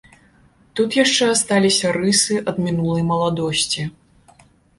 Тут яшчэ асталіся рысы ад мінулай маладосці.